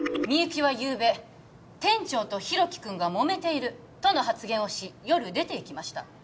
みゆきはゆうべ「店長と大樹くんがもめている」との発言をし夜出ていきました